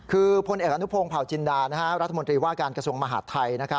คือพลเอกอนุพงศ์เผาจินดารัฐมนตรีว่าการกระทรวงมหาดไทย